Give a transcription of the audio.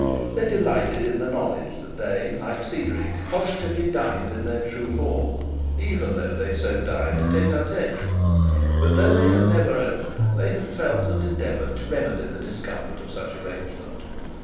They delighted in the knowledge that they, like Cedric, positively dined in their true hall, even though they so dined tete a tete. But though they had never owned, they had felt and endeavoured to remedy the discomfort of such an arrangement.